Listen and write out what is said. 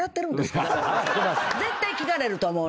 絶対聞かれると思うの。